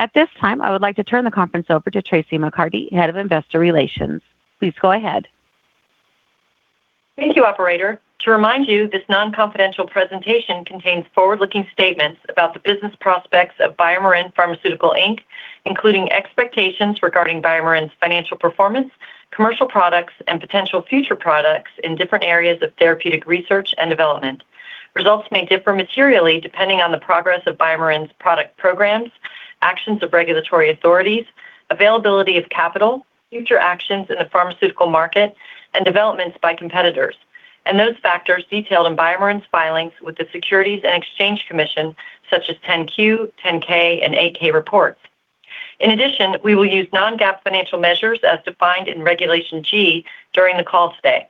At this time, I would like to turn the conference over to Traci McCarty, Head of Investor Relations. Please go ahead. Thank you, operator. To remind you, this non-confidential presentation contains forward-looking statements about the business prospects of BioMarin Pharmaceutical Inc., including expectations regarding BioMarin's financial performance, commercial products, and potential future products in different areas of therapeutic research and development. Results may differ materially depending on the progress of BioMarin's product programs, actions of regulatory authorities, availability of capital, future actions in the pharmaceutical market, and developments by competitors, and those factors detailed in BioMarin's filings with the Securities and Exchange Commission such as 10-Q, 10-K, and 8-K reports. In addition, we will use non-GAAP financial measures as defined in Regulation G during the call today.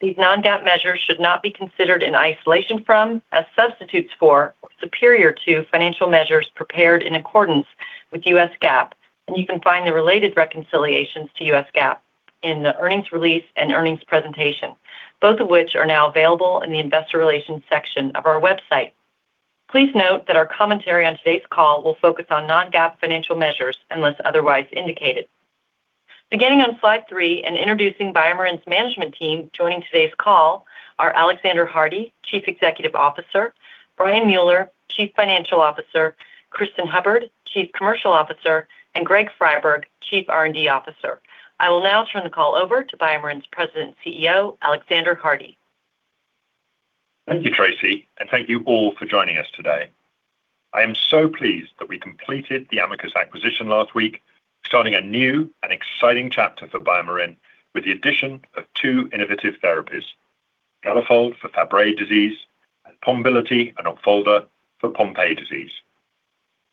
These non-GAAP measures should not be considered in isolation from, as substitutes for, or superior to financial measures prepared in accordance with U.S. GAAP, and you can find the related reconciliations to U.S. GAAP in the earnings release and earnings presentation, both of which are now available in the investor relations section of our website. Please note that our commentary on today's call will focus on non-GAAP financial measures, unless otherwise indicated. Beginning on slide three in introducing BioMarin's management team, joining today's call are Alexander Hardy, Chief Executive Officer, Brian Mueller, Chief Financial Officer, Cristin Hubbard, Chief Commercial Officer, and Greg Friberg, Chief R&D Officer. I will now turn the call over to BioMarin's President and CEO, Alexander Hardy. Thank you, Traci, and thank you all for joining us today. I am so pleased that we completed the Amicus acquisition last week, starting a new and exciting chapter for BioMarin with the addition of two innovative therapies, Galafold for Fabry disease and Pombiliti and Opfolda for Pompe disease.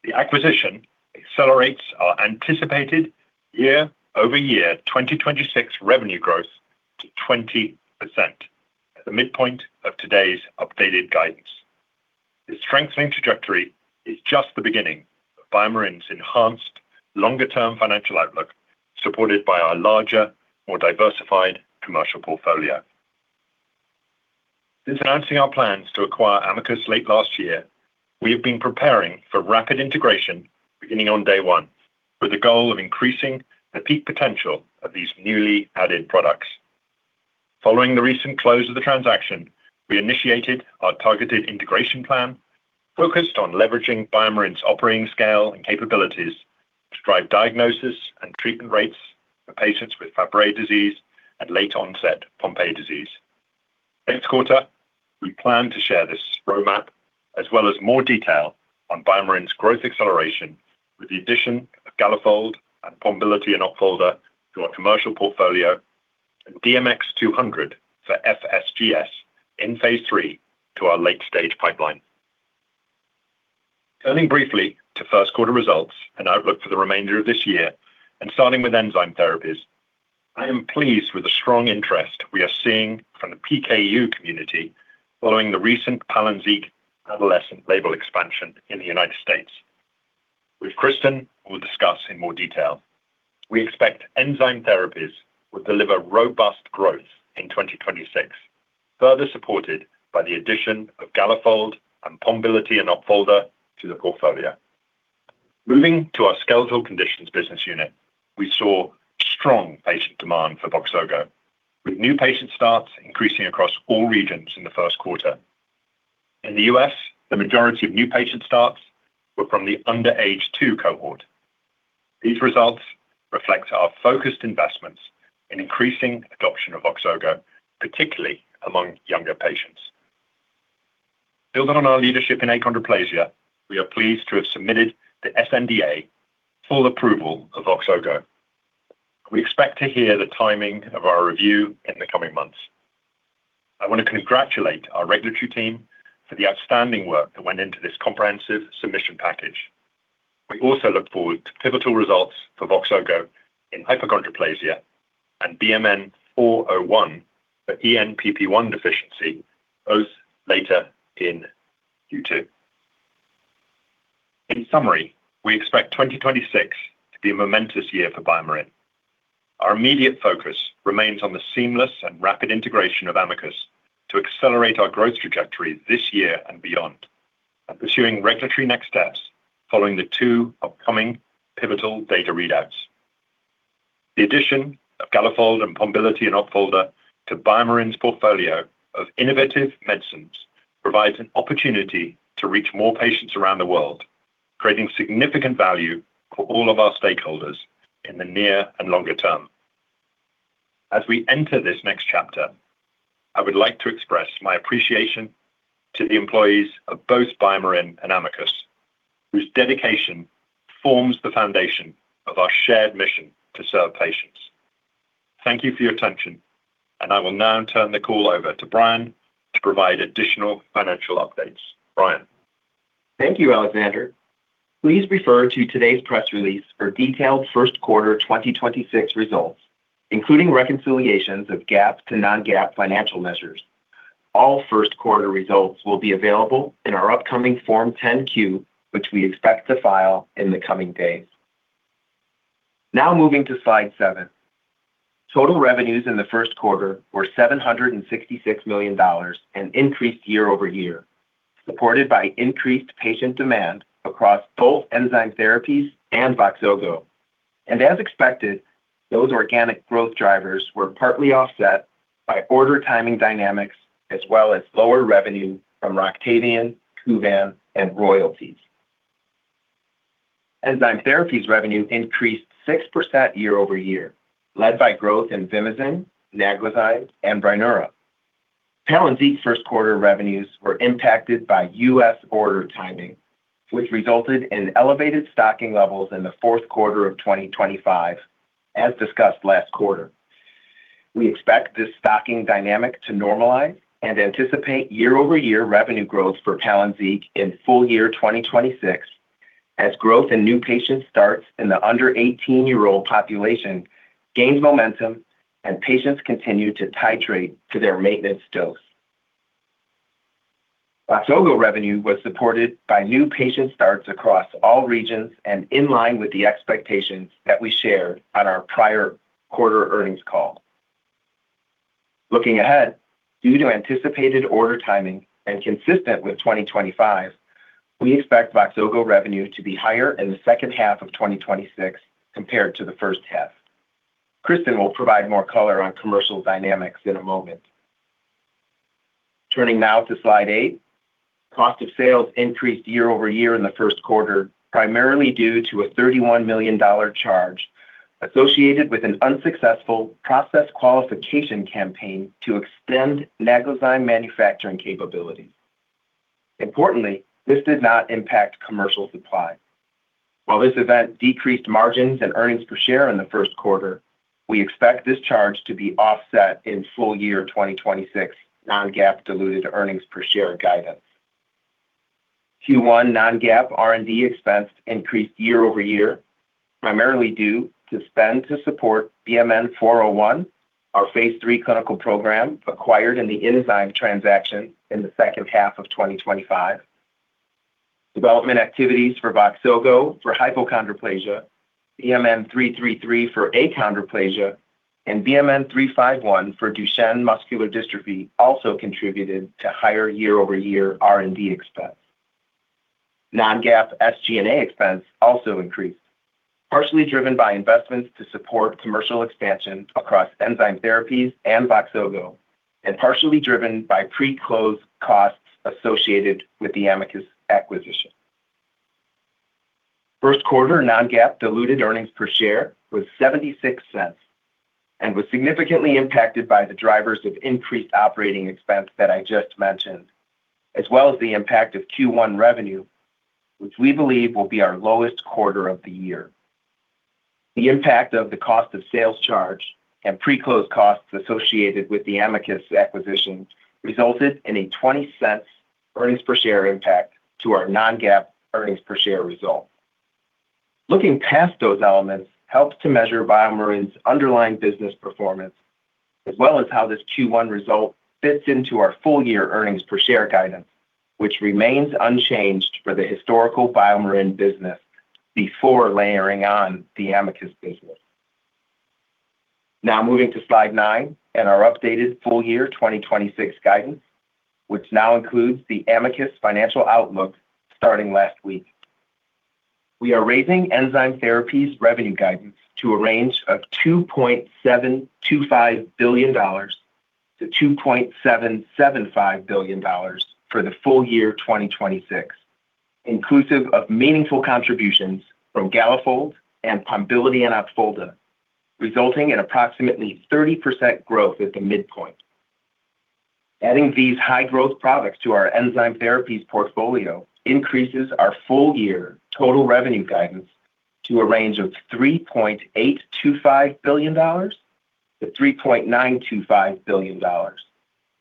The acquisition accelerates our anticipated year-over-year 2026 revenue growth to 20% at the midpoint of today's updated guidance. This strengthening trajectory is just the beginning of BioMarin's enhanced longer-term financial outlook, supported by our larger, more diversified commercial portfolio. Since announcing our plans to acquire Amicus late last year, we have been preparing for rapid integration beginning on day one, with the goal of increasing the peak potential of these newly added products. Following the recent close of the transaction, we initiated our targeted integration plan focused on leveraging BioMarin's operating scale and capabilities to drive diagnosis and treatment rates for patients with Fabry disease and late-onset Pompe disease. Next quarter, we plan to share this roadmap, as well as more detail on BioMarin's growth acceleration with the addition of Galafold and Pombiliti and Opfolda to our commercial portfolio and DMX-200 for FSGS in phase III to our late-stage pipeline. Turning briefly to first quarter results and outlook for the remainder of this year and starting with enzyme therapies, I am pleased with the strong interest we are seeing from the PKU community following the recent Palynziq adolescent label expansion in the U.S., which Cristin will discuss in more detail. We expect enzyme therapies will deliver robust growth in 2026, further supported by the addition of Galafold and Pombiliti and Opfolda to the portfolio. Moving to our skeletal conditions business unit, we saw strong patient demand for Voxzogo, with new patient starts increasing across all regions in the 1st quarter. In the U.S., the majority of new patient starts were from the under age two cohort. These results reflect our focused investments in increasing adoption of Voxzogo, particularly among younger patients. Building on our leadership in achondroplasia, we are pleased to have submitted the sNDA for approval of Voxzogo. We expect to hear the timing of our review in the coming months. I want to congratulate our regulatory team for the outstanding work that went into this comprehensive submission package. We also look forward to pivotal results for Voxzogo in hypochondroplasia and BMN 401 for ENPP1 deficiency both later in Q2. In summary, we expect 2026 to be a momentous year for BioMarin. Our immediate focus remains on the seamless and rapid integration of Amicus to accelerate our growth trajectory this year and beyond and pursuing regulatory next steps following the two upcoming pivotal data readouts. The addition of Galafold and Pombiliti and Opfolda to BioMarin's portfolio of innovative medicines provides an opportunity to reach more patients around the world, creating significant value for all of our stakeholders in the near and longer term. As we enter this next chapter, I would like to express my appreciation to the employees of both BioMarin and Amicus, whose dedication forms the foundation of our shared mission to serve patients. Thank you for your attention. I will now turn the call over to Brian to provide additional financial updates. Brian? Thank you, Alexander. Please refer to today's press release for detailed first quarter 2026 results, including reconciliations of GAAP to non-GAAP financial measures. All first quarter results will be available in our upcoming Form 10-Q, which we expect to file in the coming days. Moving to slide seven. Total revenues in the first quarter were $766 million and increased year-over-year, supported by increased patient demand across both enzyme therapies and Voxzogo. As expected, those organic growth drivers were partly offset by order timing dynamics as well as lower revenue from Roctavian, Kuvan, and royalties. Enzyme therapies revenue increased 6% year-over-year, led by growth in Vimizim, Naglazyme, and Brineura. Palynziq's first quarter revenues were impacted by U.S. order timing, which resulted in elevated stocking levels in the fourth quarter of 2025, as discussed last quarter. We expect this stocking dynamic to normalize and anticipate year-over-year revenue growth for Palynziq in full year 2026 as growth in new patient starts in the under 18-year-old population gains momentum and patients continue to titrate to their maintenance dose. Voxzogo revenue was supported by new patient starts across all regions and in line with the expectations that we shared on our prior quarter earnings call. Looking ahead, due to anticipated order timing and consistent with 2025, we expect Voxzogo revenue to be higher in the second half of 2026 compared to the first half. Cristin will provide more color on commercial dynamics in a moment. Turning now to slide 8. Cost of sales increased year-over-year in the first quarter, primarily due to a $31 million charge associated with an unsuccessful process qualification campaign to extend Naglazyme manufacturing capabilities. Importantly, this did not impact commercial supply. While this event decreased margins and earnings per share in the first quarter, we expect this charge to be offset in full year 2026 non-GAAP diluted earnings per share guidance. Q1 non-GAAP R&D expense increased year-over-year, primarily due to spend to support BMN 401, our phase III clinical program acquired in the enzyme transaction in the second half of 2025. Development activities for Voxzogo for hypochondroplasia, BMN 333 for achondroplasia, and BMN 351 for Duchenne muscular dystrophy also contributed to higher year-over-year R&D expense. Non-GAAP SG&A expense also increased, partially driven by investments to support commercial expansion across enzyme therapies and Voxzogo, and partially driven by pre-close costs associated with the Amicus acquisition. First quarter non-GAAP diluted earnings per share was $0.76 and was significantly impacted by the drivers of increased operating expense that I just mentioned, as well as the impact of Q1 revenue, which we believe will be our lowest quarter of the year. The impact of the cost of sales charge and pre-close costs associated with the Amicus acquisition resulted in a $0.20 earnings per share impact to our non-GAAP earnings per share result. Looking past those elements helps to measure BioMarin's underlying business performance, as well as how this Q1 result fits into our full-year earnings per share guidance, which remains unchanged for the historical BioMarin business before layering on the Amicus business. Moving to slide nine and our updated full-year 2026 guidance, which now includes the Amicus financial outlook starting last week. We are raising enzyme therapies revenue guidance to a range of $2.725 billion-$2.775 billion for the full-year 2026, inclusive of meaningful contributions from Galafold and Pombiliti and Opfolda, resulting in approximately 30% growth at the midpoint. Adding these high-growth products to our enzyme therapies portfolio increases our full-year total revenue guidance to a range of $3.825 billion to $3.925 billion,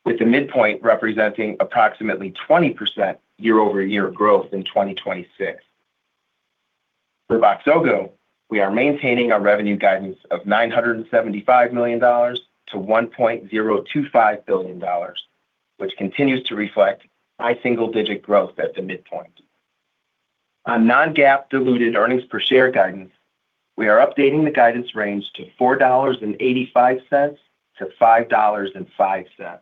with the midpoint representing approximately 20% year-over-year growth in 2026. For Voxzogo, we are maintaining our revenue guidance of $975 million to $1.025 billion, which continues to reflect high single-digit growth at the midpoint. On non-GAAP diluted earnings per share guidance, we are updating the guidance range to $4.85 to $5.05.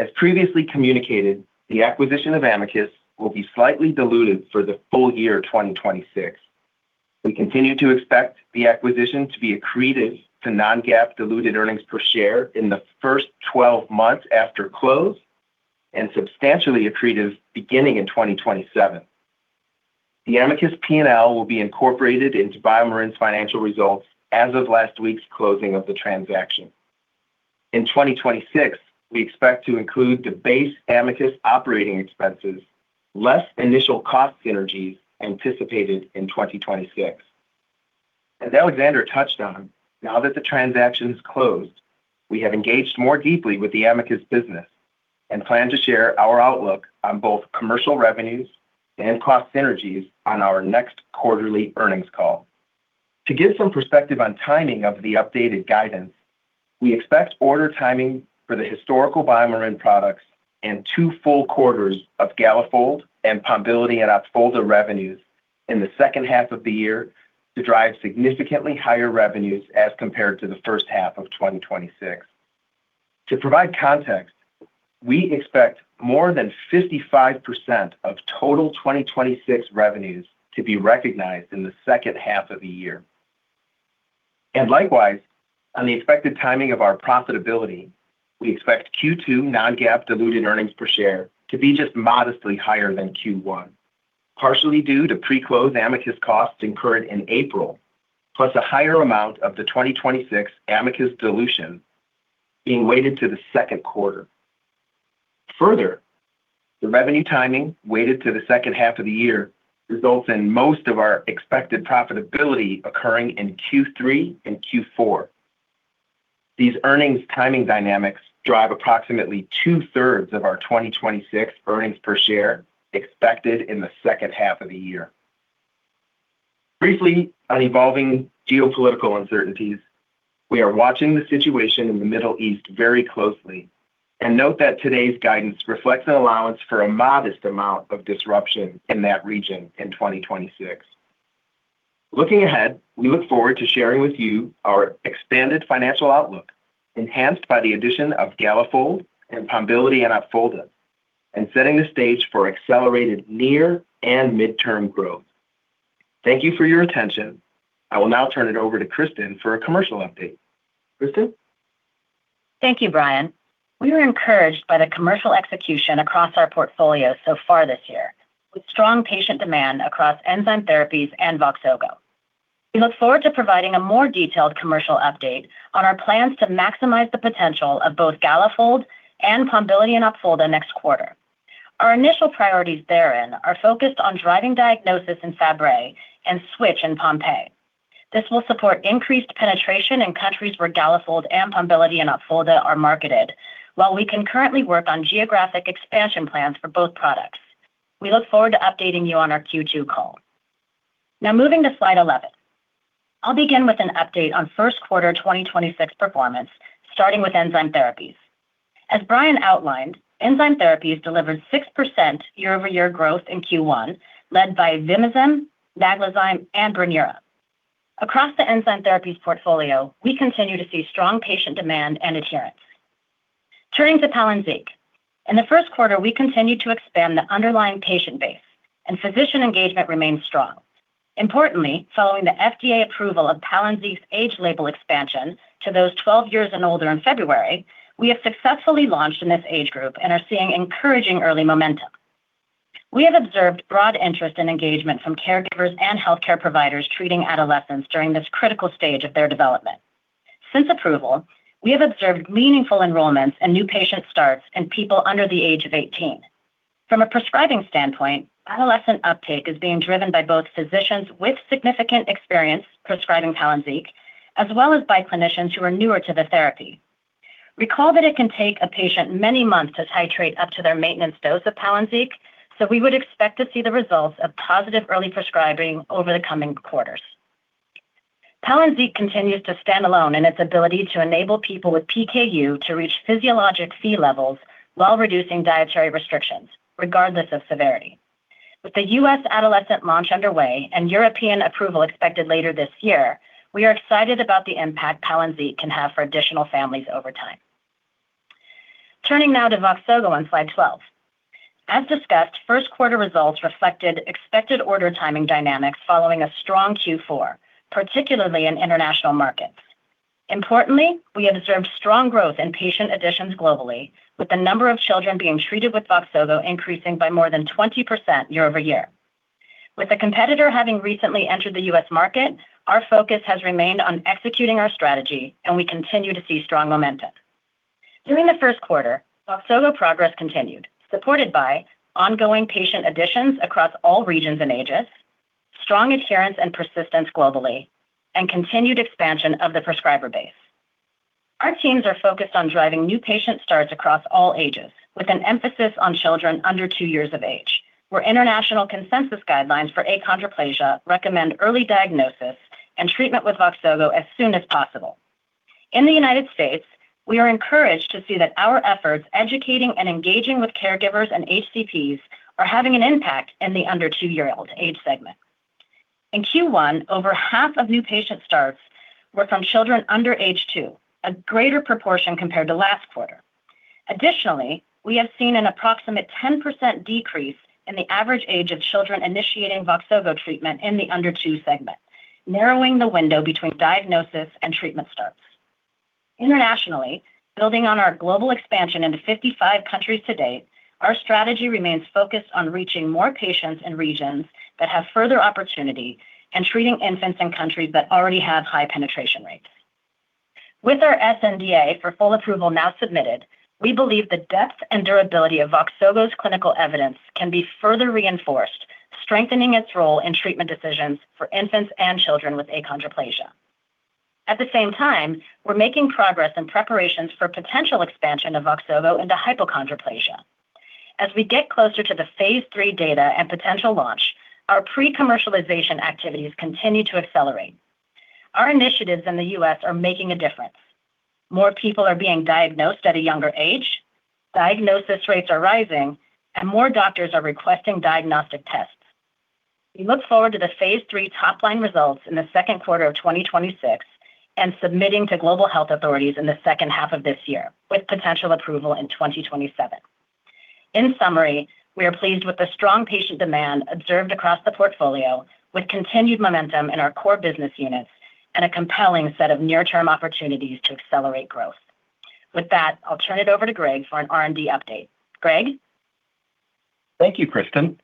As previously communicated, the acquisition of Amicus will be slightly diluted for the full year 2026. We continue to expect the acquisition to be accretive to non-GAAP diluted earnings per share in the first 12 months after close and substantially accretive beginning in 2027. The Amicus P&L will be incorporated into BioMarin's financial results as of last week's closing of the transaction. In 2026, we expect to include the base Amicus operating expenses less initial cost synergies anticipated in 2026. As Alexander touched on, now that the transaction is closed, we have engaged more deeply with the Amicus business and plan to share our outlook on both commercial revenues and cost synergies on our next quarterly earnings call. To give some perspective on timing of the updated guidance. We expect order timing for the historical BioMarin products and 2 full quarters of Galafold and Pombiliti and Opfolda revenues in the second half of the year to drive significantly higher revenues as compared to the first half of 2026. To provide context, we expect more than 55% of total 2026 revenues to be recognized in the second half of the year. Likewise, on the expected timing of our profitability, we expect Q2 non-GAAP diluted earnings per share to be just modestly higher than Q1, partially due to pre-close Amicus costs incurred in April, plus a higher amount of the 2026 Amicus dilution being weighted to the second quarter. Further, the revenue timing weighted to the second half of the year results in most of our expected profitability occurring in Q3 and Q4. These earnings timing dynamics drive approximately two-thirds of our 2026 earnings per share expected in the second half of the year. Briefly, on evolving geopolitical uncertainties, we are watching the situation in the Middle East very closely and note that today's guidance reflects an allowance for a modest amount of disruption in that region in 2026. Looking ahead, we look forward to sharing with you our expanded financial outlook, enhanced by the addition of Galafold and Pombiliti and Opfolda, setting the stage for accelerated near and midterm growth. Thank you for your attention. I will now turn it over to Cristin for a commercial update. Cristin? Thank you, Brian. We were encouraged by the commercial execution across our portfolio so far this year, with strong patient demand across enzyme therapies and Voxzogo. We look forward to providing a more detailed commercial update on our plans to maximize the potential of both Galafold and Pombiliti and Opfolda next quarter. Our initial priorities therein are focused on driving diagnosis in Fabry and switch in Pompe. This will support increased penetration in countries where Galafold and Pombiliti and Opfolda are marketed, while we can currently work on geographic expansion plans for both products. We look forward to updating you on our Q2 call. Now, moving to Slide 11. I'll begin with an update on first quarter 2026 performance, starting with enzyme therapies. As Brian outlined, enzyme therapies delivered 6% year-over-year growth in Q1, led by Vimizim, Naglazyme, and Brineura. Across the enzyme therapies portfolio, we continue to see strong patient demand and adherence. Turning to Palynziq. In the first quarter, we continued to expand the underlying patient base, and physician engagement remained strong. Importantly, following the FDA approval of Palynziq's age label expansion to those 12 years and older in February, we have successfully launched in this age group and are seeing encouraging early momentum. We have observed broad interest and engagement from caregivers and healthcare providers treating adolescents during this critical stage of their development. Since approval, we have observed meaningful enrollments and new patient starts in people under the age of 18. From a prescribing standpoint, adolescent uptake is being driven by both physicians with significant experience prescribing Palynziq, as well as by clinicians who are newer to the therapy. Recall that it can take a patient many months to titrate up to their maintenance dose of Palynziq. We would expect to see the results of positive early prescribing over the coming quarters. Palynziq continues to stand alone in its ability to enable people with PKU to reach physiologic Phe levels while reducing dietary restrictions, regardless of severity. With the U.S. adolescent launch underway and European approval expected later this year, we are excited about the impact Palynziq can have for additional families over time. Turning now to Voxzogo on Slide 12. As discussed, first quarter results reflected expected order timing dynamics following a strong Q-four, particularly in international markets. Importantly, we observed strong growth in patient additions globally, with the number of children being treated with Voxzogo increasing by more than 20% year-over-year. With the competitor having recently entered the U.S. market, our focus has remained on executing our strategy. We continue to see strong momentum. During the first quarter, Voxzogo progress continued, supported by ongoing patient additions across all regions and ages, strong adherence and persistence globally, and continued expansion of the prescriber base. Our teams are focused on driving new patient starts across all ages, with an emphasis on children under two years of age, where international consensus guidelines for achondroplasia recommend early diagnosis and treatment with Voxzogo as soon as possible. In the United States, we are encouraged to see that our efforts educating and engaging with caregivers and HCPs are having an impact in the under two year-old age segment. In Q1, over half of new patient starts were from children under age two, a greater proportion compared to last quarter. Additionally, we have seen an approximate 10% decrease in the average age of children initiating Voxzogo treatment in the under two segment, narrowing the window between diagnosis and treatment starts. Internationally, building on our global expansion into 55 countries to date, our strategy remains focused on reaching more patients in regions that have further opportunity and treating infants in countries that already have high penetration rates. With our sNDA for full approval now submitted, we believe the depth and durability of Voxzogo's clinical evidence can be further reinforced, strengthening its role in treatment decisions for infants and children with achondroplasia. At the same time, we're making progress in preparations for potential expansion of Voxzogo into hypochondroplasia. As we get closer to the phase III data and potential launch, our pre-commercialization activities continue to accelerate. Our initiatives in the U.S. are making a difference. More people are being diagnosed at a younger age, diagnosis rates are rising, and more doctors are requesting diagnostic tests. We look forward to the phase III top-line results in the 2nd quarter of 2026, and submitting to global health authorities in the 2nd half of this year, with potential approval in 2027. In summary, we are pleased with the strong patient demand observed across the portfolio with continued momentum in our core business units and a compelling set of near-term opportunities to accelerate growth. With that, I'll turn it over to Greg for an R&D update. Greg? Thank you, Cristin.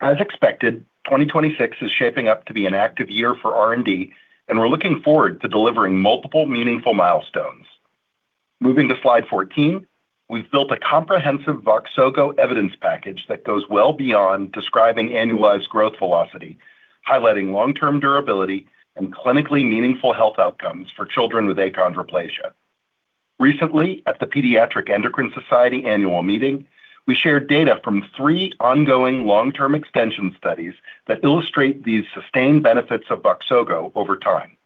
As expected, 2026 is shaping up to be an active year for R&D, and we're looking forward to delivering multiple meaningful milestones. Moving to slide 14, we've built a comprehensive Voxzogo evidence package that goes well beyond describing annualized growth velocity, highlighting long-term durability and clinically meaningful health outcomes for children with achondroplasia. Recently, at the Pediatric Endocrine Society annual meeting, we shared data from three ongoing long-term extension studies that illustrate these sustained benefits of Voxzogo over time.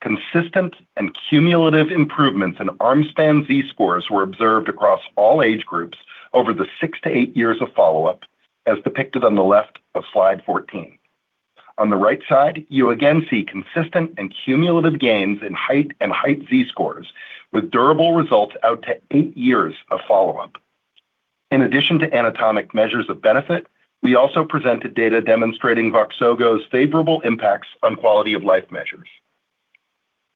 Consistent and cumulative improvements in arm span Z-scores were observed across all age groups over the six to eight years of follow-up, as depicted on the left of slide 14. On the right side, you again see consistent and cumulative gains in height and height Z-scores with durable results out to eight years of follow-up. In addition to anatomic measures of benefit, we also presented data demonstrating Voxzogo's favorable impacts on quality-of-life measures.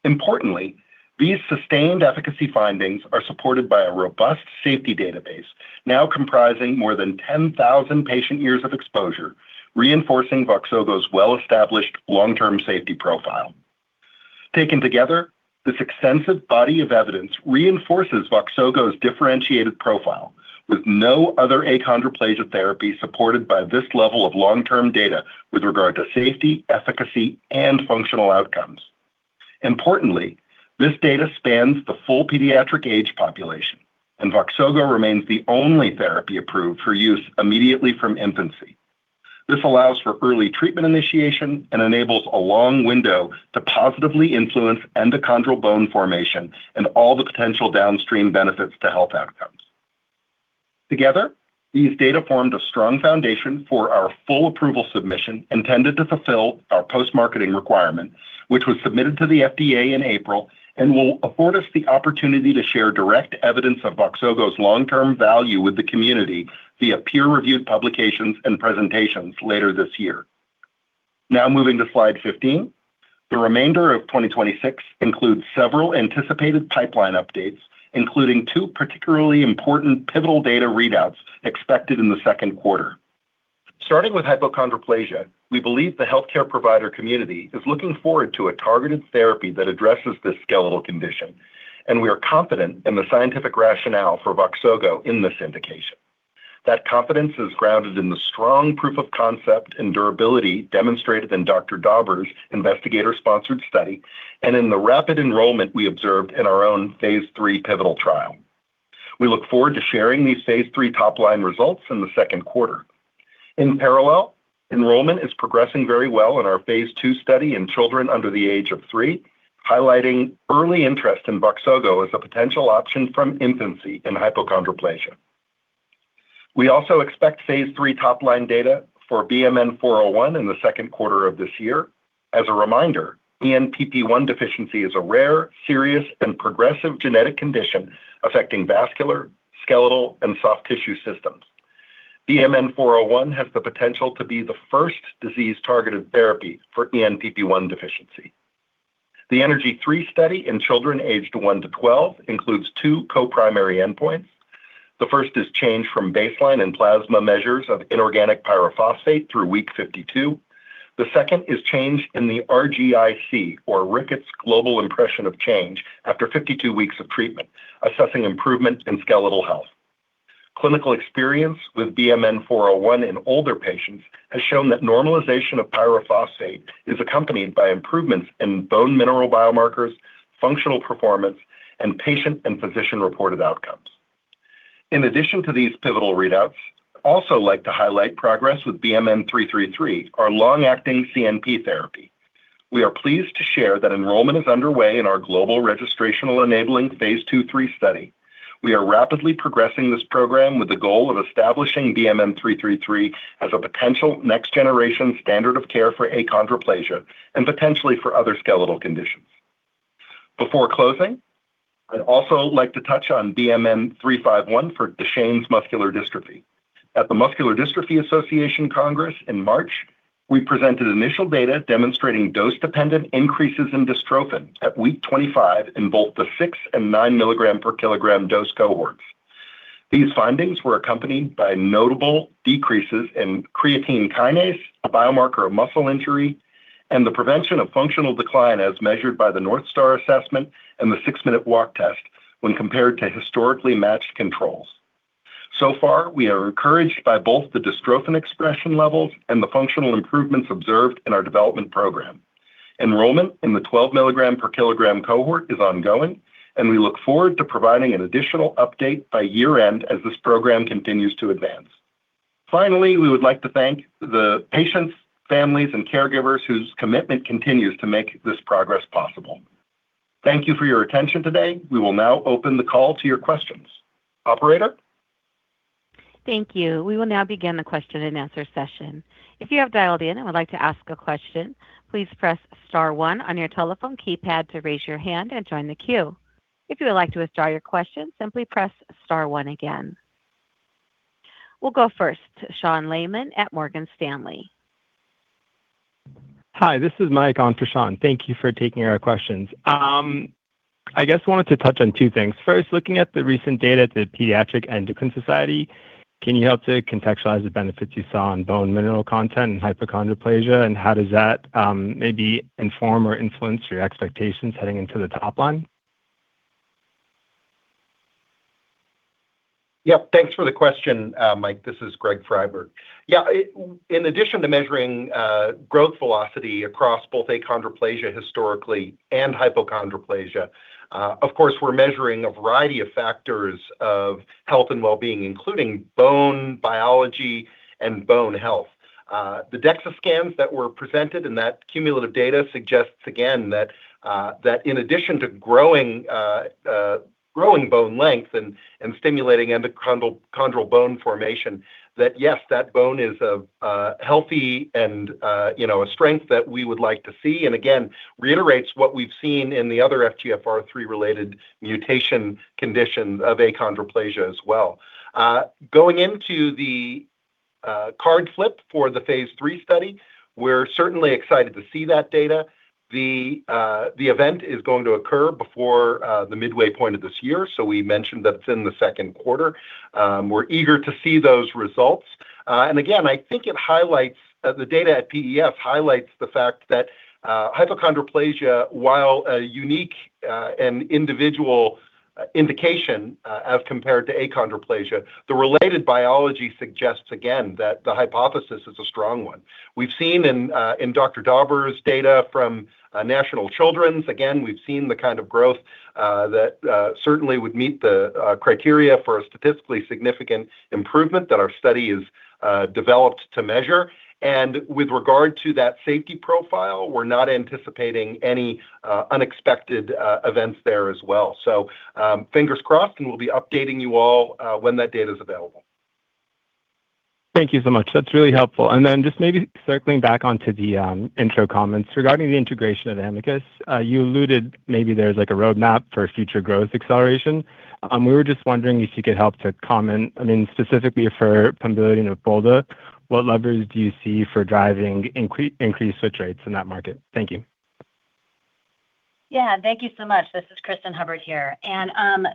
Importantly, these sustained efficacy findings are supported by a robust safety database now comprising more than 10,000 patient years of exposure, reinforcing Voxzogo's well-established long-term safety profile. Taken together, this extensive body of evidence reinforces Voxzogo's differentiated profile with no other achondroplasia therapy supported by this level of long-term data with regard to safety, efficacy, and functional outcomes. Importantly, this data spans the full pediatric age population, and Voxzogo remains the only therapy approved for use immediately from infancy. This allows for early treatment initiation and enables a long window to positively influence endochondral bone formation and all the potential downstream benefits to health outcomes. Together, these data formed a strong foundation for our full approval submission intended to fulfill our post-marketing requirement, which was submitted to the FDA in April and will afford us the opportunity to share direct evidence of Voxzogo's long-term value with the community via peer-reviewed publications and presentations later this year. Now moving to slide 15, the remainder of 2026 includes several anticipated pipeline updates, including two particularly important pivotal data readouts expected in the second quarter. Starting with hypochondroplasia, we believe the healthcare provider community is looking forward to a targeted therapy that addresses this skeletal condition, and we are confident in the scientific rationale for Voxzogo in this indication. That confidence is grounded in the strong proof of concept and durability demonstrated in Dr. Dauber's investigator-sponsored study and in the rapid enrollment we observed in our own phase III pivotal trial. We look forward to sharing these phase III top-line results in the second quarter. Enrollment is progressing very well in our phase II study in children under the age of three, highlighting early interest in Voxzogo as a potential option from infancy in hypochondroplasia. We also expect phase III top-line data for BMN 401 in the second quarter of this year. As a reminder, ENPP1 deficiency is a rare, serious, and progressive genetic condition affecting vascular, skeletal, and soft tissue systems. BMN 401 has the potential to be the first disease-targeted therapy for ENPP1 deficiency. The ENERGY-3 study in children aged 1 to 12 includes two co-primary endpoints. The first is change from baseline and plasma measures of inorganic pyrophosphate through week 52. The second is change in the RGIC, or Radiographic Global Impression of Change, after 52 weeks of treatment, assessing improvement in skeletal health. Clinical experience with BMN 401 in older patients has shown that normalization of pyrophosphate is accompanied by improvements in bone mineral biomarkers, functional performance, and patient and physician-reported outcomes. In addition to these pivotal readouts, I'd also like to highlight progress with BMN 333, our long-acting CNP therapy. We are pleased to share that enrollment is underway in our global registrational enabling phase II/III study. We are rapidly progressing this program with the goal of establishing BMN 333 as a potential next-generation standard of care for achondroplasia and potentially for other skeletal conditions. Before closing, I'd also like to touch on BMN 351 for Duchenne muscular dystrophy. At the Muscular Dystrophy Association Congress in March, we presented initial data demonstrating dose-dependent increases in dystrophin at week 25 in both the 6 and 9 milligram per kilogram dose cohorts. These findings were accompanied by notable decreases in creatine kinase, a biomarker of muscle injury, and the prevention of functional decline as measured by the North Star Ambulatory Assessment and the six-minute walk test when compared to historically matched controls. We are encouraged by both the dystrophin expression levels and the functional improvements observed in our development program. Enrollment in the 12 milligram per kilogram cohort is ongoing, and we look forward to providing an additional update by year-end as this program continues to advance. Finally, we would like to thank the patients, families, and caregivers whose commitment continues to make this progress possible. Thank you for your attention today. We will now open the call to your questions. Operator? Thank you. We will now begin the question and answer session. If you have dialed in and would like to ask a question, please press star one on your telephone keypad to raise your hand and join the queue. If you would like to withdraw your question, simply Press star one again. We'll go first to Sean Layman at Morgan Stanley. Hi, this is Mike on for Sean. Thank you for taking our questions. I guess wanted to touch on two things. First, looking at the recent data at the Pediatric Endocrine Society, can you help to contextualize the benefits you saw on bone mineral content and hypochondroplasia, and how does that maybe inform or influence your expectations heading into the top line? Yep. Thanks for the question, Mike. This is Greg Friberg. Yeah, in addition to measuring growth velocity across both Achondroplasia historically and Hypochondroplasia, of course, we're measuring a variety of factors of health and well-being, including bone biology and bone health. The DEXA scans that were presented in that cumulative data suggests again that in addition to growing bone length and stimulating endochondral bone formation, that yes, that bone is of healthy and, you know, a strength that we would like to see, and again, reiterates what we've seen in the other FGFR3 related mutation condition of Achondroplasia as well. Going into the card flip for the phase III study, we're certainly excited to see that data. The event is going to occur before the midway point of this year. We mentioned that it's in the second quarter. We're eager to see those results. Again, I think the data at Pediatric Endocrine Society highlights the fact that hypochondroplasia, while a unique and individual indication, as compared to achondroplasia, the related biology suggests again that the hypothesis is a strong one. We've seen in Andrew Dauber's data from Children's National Hospital, again, we've seen the kind of growth that certainly would meet the criteria for a statistically significant improvement that our study is developed to measure. With regard to that safety profile, we're not anticipating any unexpected events there as well. Fingers crossed. We'll be updating you all when that data is available. Thank you so much. That's really helpful. Just maybe circling back onto the intro comments. Regarding the integration of Amicus, you alluded maybe there's like a roadmap for future growth acceleration. We were just wondering if you could help to comment, I mean specifically for Pombiliti or Opfolda, what levers do you see for driving increased switch rates in that market? Thank you. Yeah. Thank you so much. This is Cristin Hubbard here.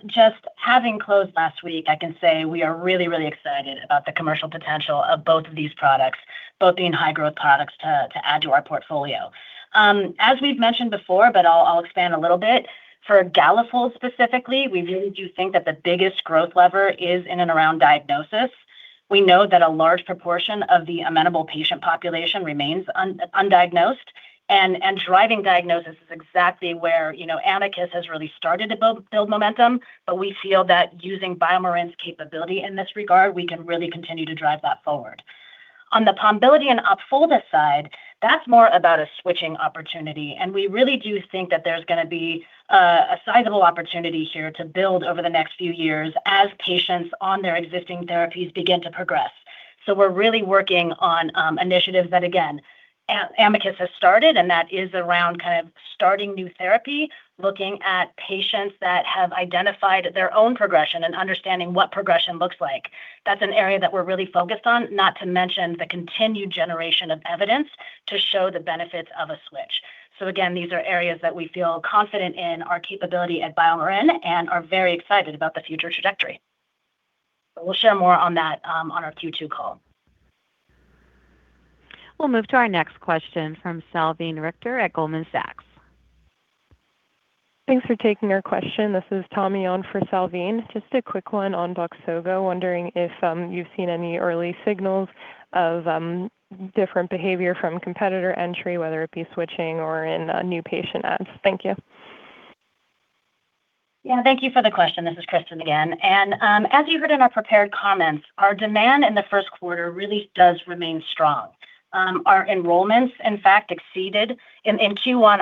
Just having closed last week, I can say we are really, really excited about the commercial potential of both of these products, both being high-growth products to add to our portfolio. As we've mentioned before, but I'll expand a little bit, for Galafold specifically, we really do think that the biggest growth lever is in and around diagnosis. We know that a large proportion of the amenable patient population remains undiagnosed, and driving diagnosis is exactly where, you know, Amicus has really started to build momentum. We feel that using BioMarin's capability in this regard, we can really continue to drive that forward. On the Pombiliti and Opfolda side, that's more about a switching opportunity, we really do think that there's gonna be a sizable opportunity here to build over the next few years as patients on their existing therapies begin to progress. We're really working on initiatives that again, Amicus has started, and that is around kind of starting new therapy, looking at patients that have identified their own progression and understanding what progression looks like. That's an area that we're really focused on, not to mention the continued generation of evidence to show the benefits of a switch. Again, these are areas that we feel confident in our capability at BioMarin and are very excited about the future trajectory. We'll share more on that on our Q2 call. We'll move to our next question from Salveen Richter at Goldman Sachs. Thanks for taking our question. This is Tommy on for Salveen. Just a quick one on Voxzogo. Wondering if you've seen any early signals of different behavior from competitor entry, whether it be switching or in new patient adds. Thank you. Yeah. Thank you for the question. This is Cristin again. As you heard in our prepared comments, our demand in the first quarter really does remain strong. Our enrollments, in fact, in Q1,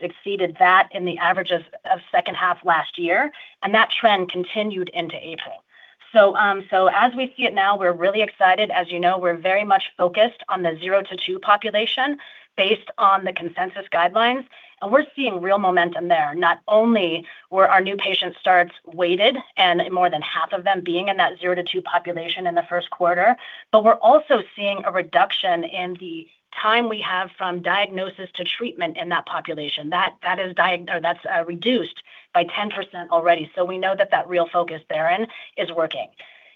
exceeded that in the average of second half last year, and that trend continued into April. As we see it now, we're really excited. As you know, we're very much focused on the 0 to 2 population based on the consensus guidelines, and we're seeing real momentum there. Not only were our new patient starts weighted and more than half of them being in that 0 to 2 population in the first quarter, but we're also seeing a reduction in the time we have from diagnosis to treatment in that population. That is reduced by 10% already. We know that that real focus therein is working.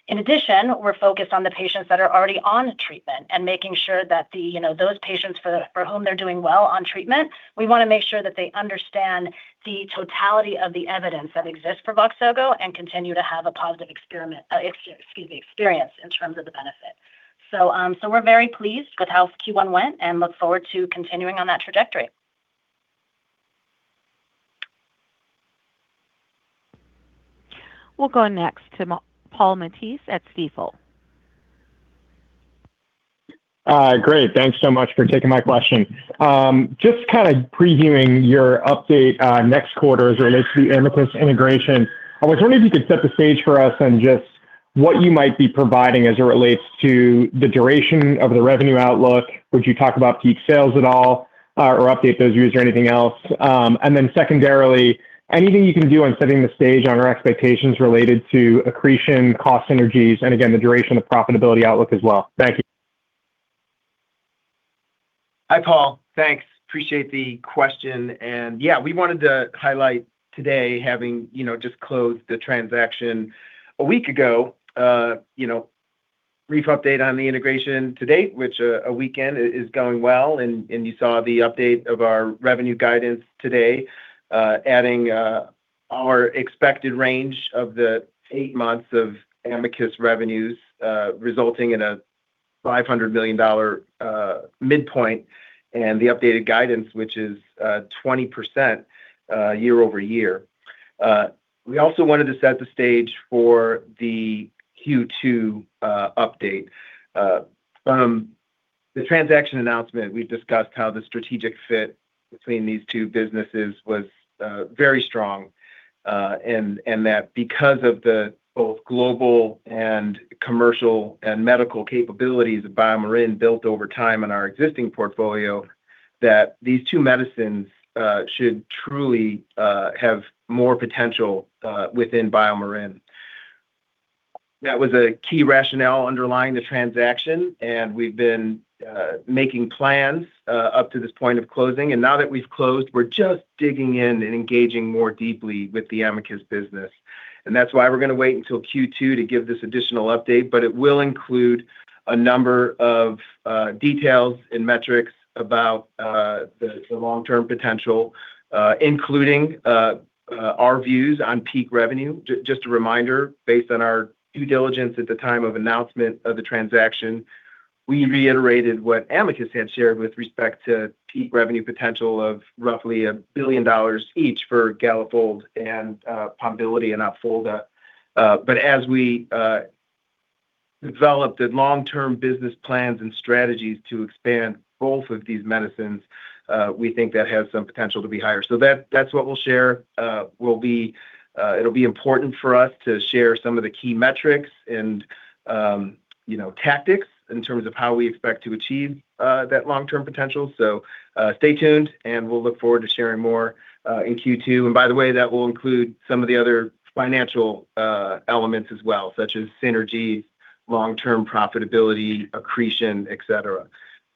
In addition, we're focused on the patients that are already on treatment and making sure that, you know, those patients for whom they're doing well on treatment, we wanna make sure that they understand the totality of the evidence that exists for Voxzogo and continue to have a positive experience in terms of the benefit. We're very pleased with how Q1 went and look forward to continuing on that trajectory. We'll go next to Paul Matteis at Stifel. Great. Thanks so much for taking my question. Just kind of previewing your update next quarter as it relates to the Amicus integration. I was wondering if you could set the stage for us on just what you might be providing as it relates to the duration of the revenue outlook. Would you talk about peak sales at all, or update those views or anything else? Secondarily, anything you can do on setting the stage on our expectations related to accretion, cost synergies, and again, the duration of profitability outlook as well. Thank you. Hi, Paul. Thanks. Appreciate the question. Yeah, we wanted to highlight today having, you know, just closed the transaction a week ago. You know, brief update on the integration to date, which a weekend is going well and you saw the update of our revenue guidance today, adding our expected range of the 8 months of Amicus revenues, resulting in a $500 million midpoint and the updated guidance, which is 20% year-over-year. We also wanted to set the stage for the Q2 update. From the transaction announcement, we've discussed how the strategic fit between these two businesses was very strong. That because of the both global and commercial and medical capabilities that BioMarin built over time in our existing portfolio, that these two medicines should truly have more potential within BioMarin. That was a key rationale underlying the transaction, and we've been making plans up to this point of closing. Now that we've closed, we're just digging in and engaging more deeply with the Amicus business. That's why we're gonna wait until Q2 to give this additional update. It will include a number of details and metrics about the long-term potential, including our views on peak revenue. Just a reminder, based on our due diligence at the time of announcement of the transaction, we reiterated what Amicus had shared with respect to peak revenue potential of roughly $1 billion each for Galafold and Pombiliti and Opfolda. But as we developed the long-term business plans and strategies to expand both of these medicines, we think that has some potential to be higher. That's what we'll share. It'll be important for us to share some of the key metrics and, you know, tactics in terms of how we expect to achieve that long-term potential. Stay tuned, and we'll look forward to sharing more in Q2. By the way, that will include some of the other financial elements as well, such as synergies, long-term profitability, accretion, et cetera.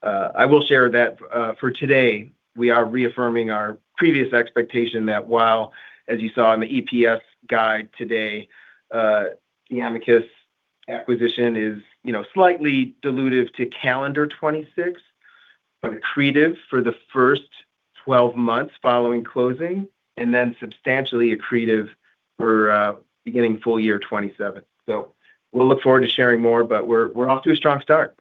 I will share that for today, we are reaffirming our previous expectation that while, as you saw in the EPS guide today, the Amicus acquisition is slightly dilutive to calendar 26, but accretive for the first 12 months following closing and then substantially accretive for beginning full year 27. We'll look forward to sharing more, but we're off to a strong start.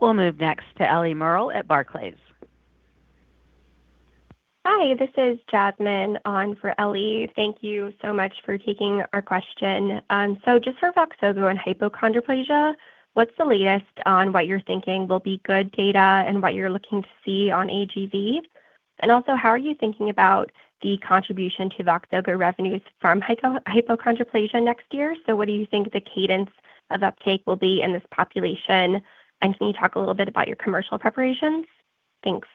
We'll move next to Ellie Merle at Barclays. Hi, this is Jasmine on for Ellie. Thank you so much for taking our question. Just for Voxzogo and hypochondroplasia, what's the latest on what you're thinking will be good data and what you're looking to see on AGV? How are you thinking about the contribution to Voxzogo revenues from hypochondroplasia next year? What do you think the cadence of uptake will be in this population? Can you talk a little bit about your commercial preparations? Thanks.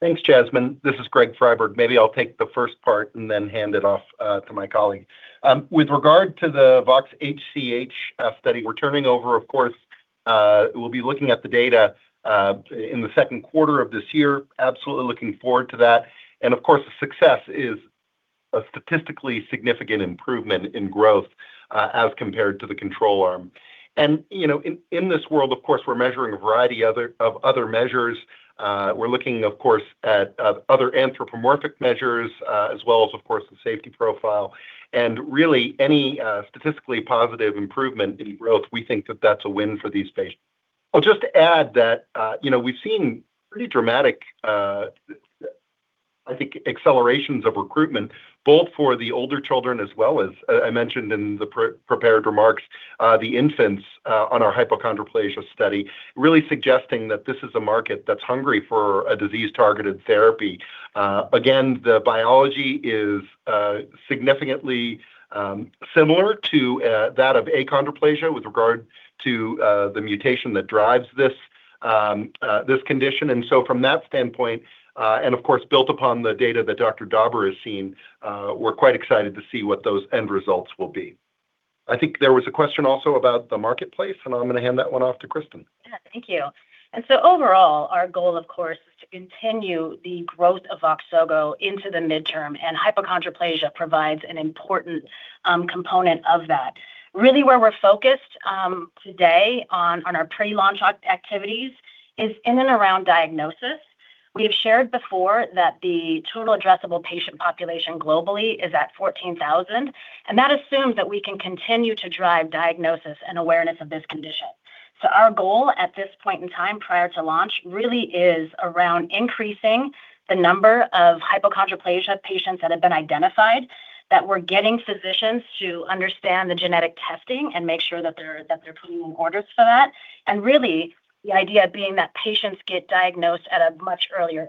Thanks, Jasmine. This is Greg Friberg. Maybe I'll take the first part and then hand it off to my colleague. With regard to the CANOPY-HCH-3 study we're turning over, of course, we'll be looking at the data in the second quarter of this year. Absolutely looking forward to that. Of course, the success is a statistically significant improvement in growth as compared to the control arm. You know, in this world, of course, we're measuring a variety of other measures. We're looking of course at other anthropomorphic measures, as well as of course the safety profile and really any statistically positive improvement in growth. We think that that's a win for these patients. I'll just add that, you know, we've seen pretty dramatic, I think accelerations of recruitment, both for the older children as well as, I mentioned in the pre-prepared remarks, the infants, on our hypochondroplasia study, really suggesting that this is a market that's hungry for a disease-targeted therapy. Again, the biology is significantly similar to that of achondroplasia with regard to the mutation that drives this condition. From that standpoint, and of course built upon the data that Andrew Dauber has seen, we're quite excited to see what those end results will be. I think there was a question also about the marketplace, and I'm gonna hand that one off to Cristin. Yeah. Thank you. Overall, our goal of course is to continue the growth of Voxzogo into the midterm, and hypochondroplasia provides an important component of that. Really where we're focused today on our pre-launch activities is in and around diagnosis. We have shared before that the total addressable patient population globally is at 14,000, and that assumes that we can continue to drive diagnosis and awareness of this condition. Our goal at this point in time prior to launch really is around increasing the number of hypochondroplasia patients that have been identified, that we're getting physicians to understand the genetic testing and make sure that they're putting in orders for that. Really, the idea being that patients get diagnosed at a much earlier age.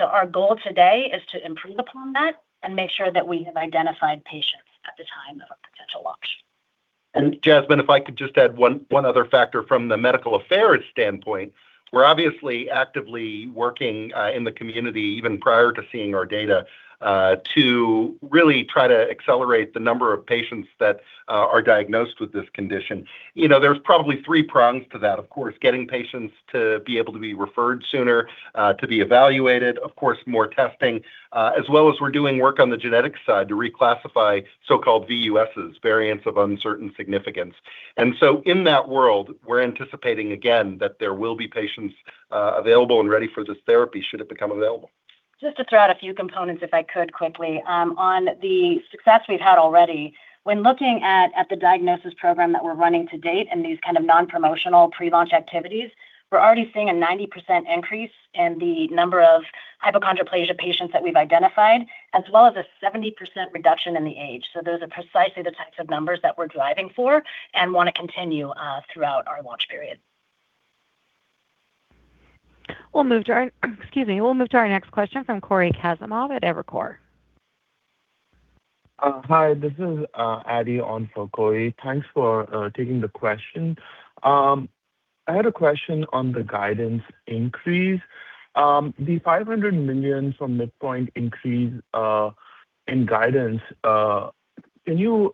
Our goal today is to improve upon that and make sure that we have identified patients at the time of a potential launch. Jasmine, if I could just add one other factor from the medical affairs standpoint. We're obviously actively working in the community even prior to seeing our data to really try to accelerate the number of patients that are diagnosed with this condition. You know, there's probably three prongs to that. Of course, getting patients to be able to be referred sooner to be evaluated. Of course, more testing, as well as we're doing work on the genetic side to reclassify so-called VUSs, variants of uncertain significance. In that world, we're anticipating again that there will be patients available and ready for this therapy should it become available. Just to throw out a few components if I could quickly. On the success we've had already, when looking at the diagnosis program that we're running to date and these kind of non-promotional pre-launch activities, we're already seeing a 90% increase in the number of hypochondroplasia patients that we've identified, as well as a 70% reduction in the age. Those are precisely the types of numbers that we're driving for and wanna continue throughout our launch period. Excuse me. We'll move to our next question from Cory Kasimov at Evercore. Hi, this is Eddie on for Cory. Thanks for taking the question. I had a question on the guidance increase. The $500 million from midpoint increase in guidance, can you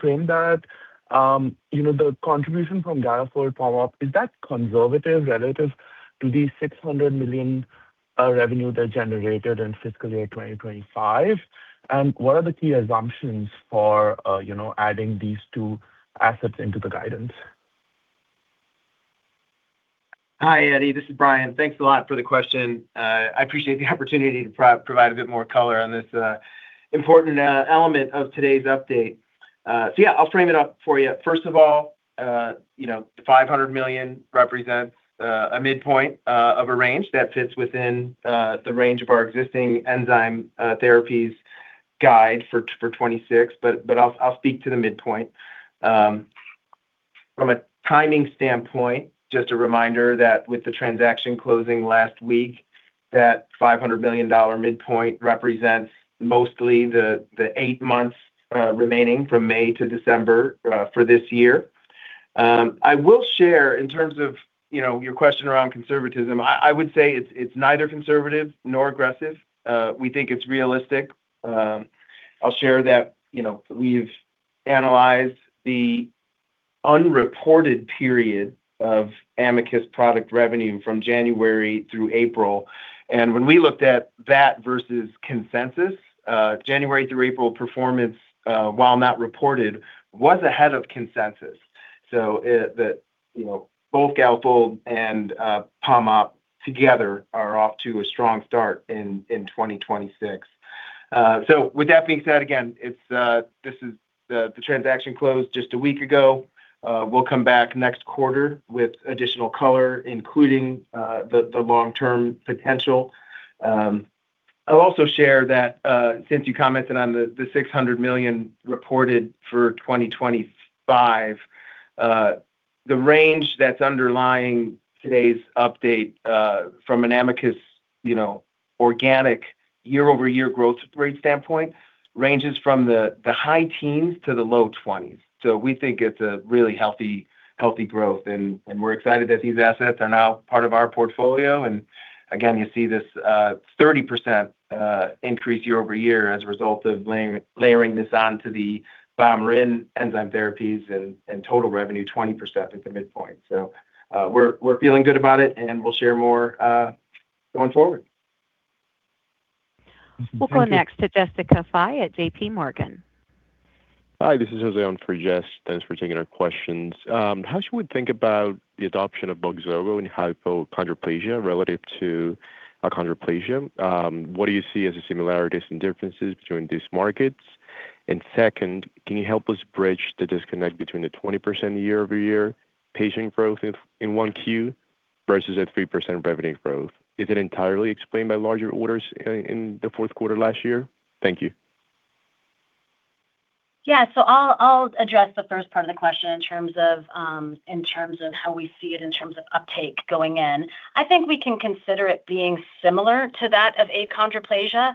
frame that? You know, the contribution from Galafold power up, is that conservative relative to the $600 million revenue they generated in FY 2025? What are the key assumptions for, you know, adding these two assets into the guidance? Hi, Eddie. This is Brian. Thanks a lot for the question. I appreciate the opportunity to provide a bit more color on this important element of today's update. Yeah, I'll frame it up for you. First of all, you know, the $500 million represents a midpoint of a range that fits within the range of our existing enzyme therapies guide for 2026, I'll speak to the midpoint. From a timing standpoint, just a reminder that with the transaction closing last week, that $500 million midpoint represents mostly the eight months remaining from May to December for this year. I will share in terms of, you know, your question around conservatism, I would say it's neither conservative nor aggressive. We think it's realistic. I'll share that, you know, we've analyzed the unreported period of Amicus product revenue from January through April. When we looked at that versus consensus, January through April performance, while not reported, was ahead of consensus. You know, both Galafold and Pombiliti together are off to a strong start in 2026. With that being said, again, it's, this is the transaction closed just a week ago. We'll come back next quarter with additional color, including the long-term potential. I'll also share that, since you commented on the $600 million reported for 2025, the range that's underlying today's update, from an Amicus, you know, organic year-over-year growth rate standpoint ranges from the high teens to the low 20s. We think it's a really healthy growth, and we're excited that these assets are now part of our portfolio. Again, you see this 30% increase year-over-year as a result of lay-layering this onto the BioMarin enzyme therapies and total revenue 20% at the midpoint. We're feeling good about it, and we'll share more going forward. Thank you. We'll go next to Jessica Fye at JPMorgan. Hi, this is Jose on for Jess. Thanks for taking our questions. How should we think about the adoption of Voxzogo in hypochondroplasia relative to achondroplasia? What do you see as the similarities and differences between these markets? Second, can you help us bridge the disconnect between the 20% year-over-year patient growth in 1Q versus a 3% revenue growth? Is it entirely explained by larger orders in the fourth quarter last year? Thank you. Yeah. I'll address the first part of the question in terms of how we see it, in terms of uptake going in. I think we can consider it being similar to that of achondroplasia.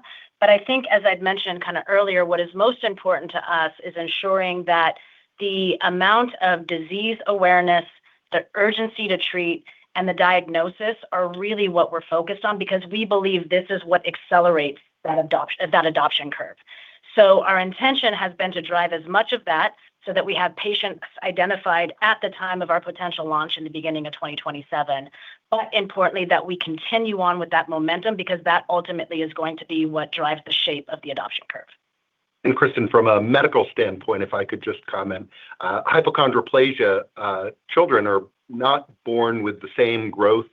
I think, as I'd mentioned kinda earlier, what is most important to us is ensuring that the amount of disease awareness, the urgency to treat, and the diagnosis are really what we're focused on because we believe this is what accelerates that adoption curve. Our intention has been to drive as much of that so that we have patients identified at the time of our potential launch in the beginning of 2027. Importantly, that we continue on with that momentum because that ultimately is going to be what drives the shape of the adoption curve. Cristin, from a medical standpoint, if I could just comment. Hypochondroplasia, children are not born with the same growth